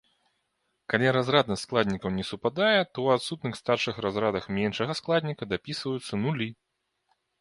Калі разраднасць складнікаў не супадае, то ў адсутных старшых разрадах меншага складніка дапісваюцца нулі.